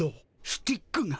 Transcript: スティックが。